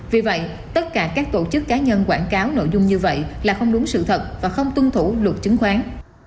vì vậy tất cả các tổ chức cá nhân quảng cáo nội dung như vậy là không đúng sự thật và không tuân thủ luật chứng khoán